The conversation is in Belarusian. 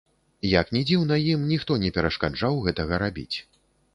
Як ні дзіўна, ім ніхто не перашкаджаў гэтага рабіць.